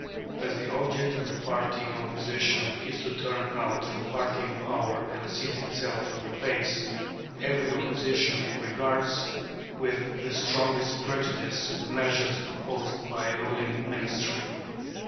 As the object of the party in opposition is to turn out the party in power and seat itself in their place, every Opposition regards with the strongest prejudice the measures proposed by a ruling Ministry.